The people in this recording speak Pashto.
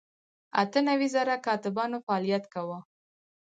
اته نوي زره کاتبانو فعالیت کاوه.